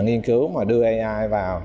nghiên cứu và đưa ai vào